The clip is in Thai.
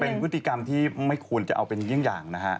เป็นพฤติกรรมที่ไม่ควรจะเอาเป็นเยี่ยงอย่างนะฮะ